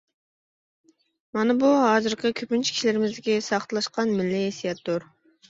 مانا بۇ ھازىرقى كۆپىنچە كىشىلىرىمىزدىكى ساختىلاشقان مىللىي ھېسسىياتتۇر.